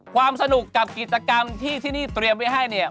ความสนุกกับกิจกรรมที่ที่นี่เตรียมไว้ให้เนี่ย